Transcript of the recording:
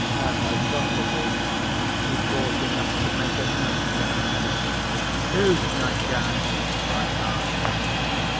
As to quantity, she bought enough to make a nightgown." "Whose nightgown?" I asked.